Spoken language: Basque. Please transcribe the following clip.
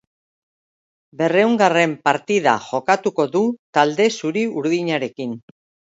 Berrehungarren partida jokatuko du talde zuri-urdinarekin.